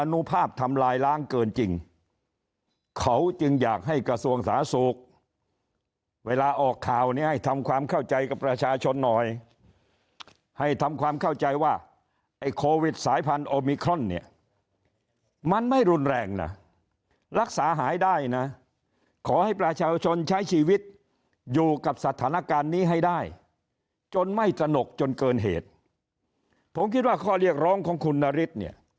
นุภาพทำลายล้างเกินจริงเขาจึงอยากให้กระทรวงสาธารณสุขเวลาออกข่าวเนี่ยให้ทำความเข้าใจกับประชาชนหน่อยให้ทำความเข้าใจว่าไอ้โควิดสายพันธุมิครอนเนี่ยมันไม่รุนแรงนะรักษาหายได้นะขอให้ประชาชนใช้ชีวิตอยู่กับสถานการณ์นี้ให้ได้จนไม่สนุกจนเกินเหตุผมคิดว่าข้อเรียกร้องของคุณนฤทธิ์เนี่ย